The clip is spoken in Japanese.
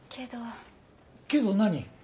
けど何？